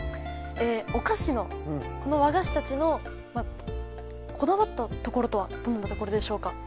おかしのこの和菓子たちのこだわったところとはどんなところでしょうか。